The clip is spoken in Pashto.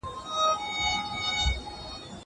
کتاب وليکه!!